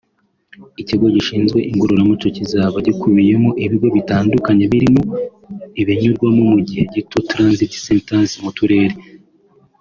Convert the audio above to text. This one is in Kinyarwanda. Ikigo gishinzwe igororamuco kizaba gikubiyemo ibigo bitandukanye birimo ibinyurwamo mu gihe gito (Transit centers) mu turere